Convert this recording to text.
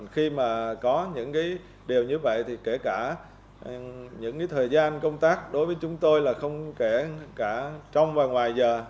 khi mà có những điều như vậy thì kể cả những thời gian công tác đối với chúng tôi là không kể cả trong và ngoài giờ